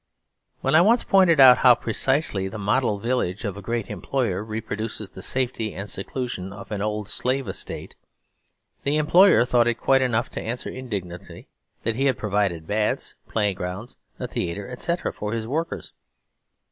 When I once pointed out how precisely the "model village" of a great employer reproduces the safety and seclusion of an old slave estate, the employer thought it quite enough to answer indignantly that he had provided baths, playing grounds, a theatre, etc., for his workers.